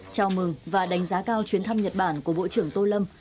chào mừng và đánh giá cao chuyến thăm nhật bản của bộ trưởng tô lâm